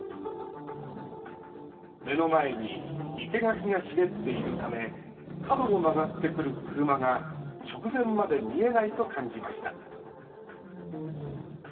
目の前に、生け垣が茂っているため、角を曲がってくる車が、直前まで見えないと感じました。